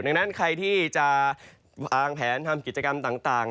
ดังนั้นใครที่จะวางแผนทำกิจกรรมต่าง